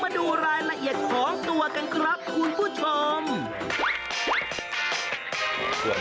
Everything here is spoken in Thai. มาดูรายละเอียดของตัวกันครับคุณผู้ชม